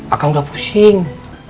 akang udah pusing